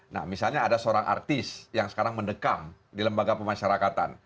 nah misalnya ada seorang artis yang sekarang mendekam di lembaga pemasyarakatan